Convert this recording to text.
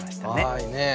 はいねえ。